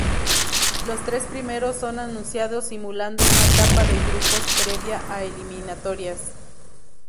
Los tres primeros son anunciados simulando una etapa de grupos previa a las eliminatorias.